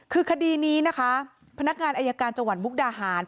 คือคดีนี้นะคะพนักงานอายการจังหวัดมุกดาหาร